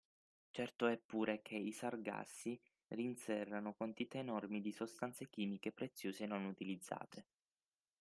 Certo è pure che i sargassi rinserrano quantità enormi di sostanze chimiche preziose non utilizzate